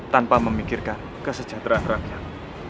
tanpa memikirkan kesejahteraan rakyat